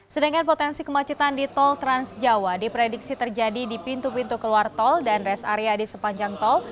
sedangkan potensi kemacetan di tol transjawa diprediksi terjadi di pintu pintu keluar tol dan rest area di sepanjang tol